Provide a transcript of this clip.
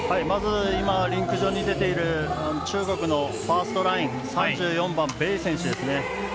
まずリンク上に出ている中国のファーストライン、３４番、ベイ選手ですね。